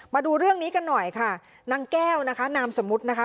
มาดูเรื่องนี้กันหน่อยค่ะนางแก้วนะคะนามสมมุตินะคะ